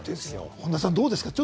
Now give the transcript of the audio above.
本田さん、どうですか？